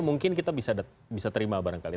mungkin kita bisa terima barangkali